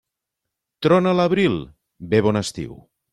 Trona a l'abril, ve bon estiu.